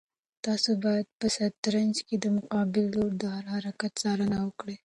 تاسو باید په شطرنج کې د مقابل لوري د هر حرکت څارنه وکړئ.